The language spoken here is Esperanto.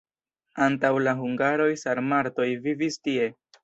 Antaŭ la hungaroj sarmatoj vivis tie.